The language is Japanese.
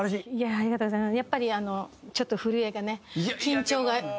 ありがとうございます。